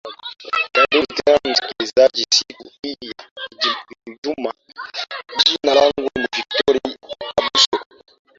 karibu tena msikilijazi siku hii ya ijumaa jina langu ni victor abuso